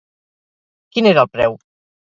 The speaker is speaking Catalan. Quin era el preu?